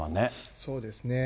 そうですね。